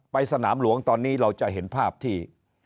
สนามหลวงตอนนี้เราจะเห็นภาพที่